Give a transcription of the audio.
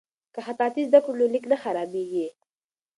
که خطاطي زده کړو نو لیک نه خرابیږي.